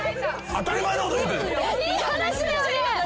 当たり前のこと言うて。